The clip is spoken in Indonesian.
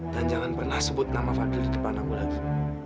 dan jangan pernah sebut nama fadil di depan aku lagi